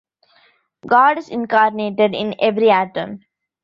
God is incarnated in every atom.